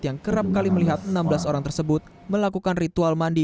yang kerap kali melihat enam belas orang tersebut melakukan ritual mandi